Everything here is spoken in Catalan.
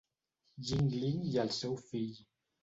Yuengling i el seu fill.